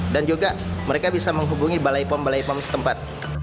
dan juga mereka bisa menghubungi balai pom balai pom setempat